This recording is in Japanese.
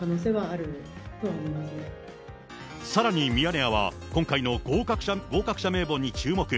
さらにミヤネ屋は、今回の合格者名簿に注目。